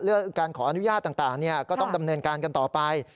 การขออนุญาตต่างก็ต้องดำเนินการกันต่อไป